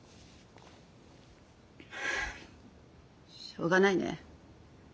しょうがないね。